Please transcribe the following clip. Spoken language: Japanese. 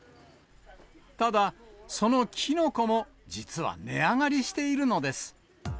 ただ、そのきのこも実は値上がりしているのです。